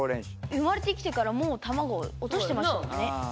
生まれてきてからもう卵落としてましたもんね。